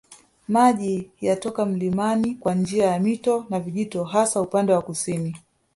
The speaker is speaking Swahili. Maji yatoka mlimani kwa njia ya mito na vijito hasa upande wa kusini